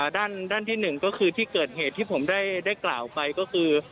ด้านที่๑ก็คือที่เกิดเหตุที่ผมได้กล่าวไปก็คือ